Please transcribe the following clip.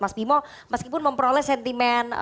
mas bimo meskipun memperoleh sentimen